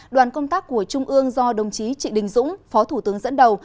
đoàn công tác của trung ương do đồng chí trị đình dũng phó thủ tướng dẫn đầu